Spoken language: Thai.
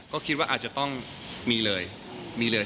ก็คิดว่าอาจจะต้องมีเลย